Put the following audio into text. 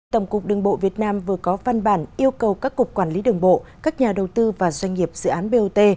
tổng cục đường bộ việt nam vừa có văn bản yêu cầu các cục quản lý đường bộ các nhà đầu tư và doanh nghiệp dự án bot